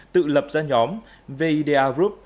tự lập ra nhóm vida group